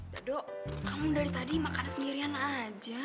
dado kamu dari tadi makan sendirian aja